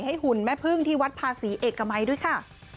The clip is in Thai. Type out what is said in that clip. หุ่นแม่พึ่งที่วัดภาษีเอกมัยด้วยค่ะ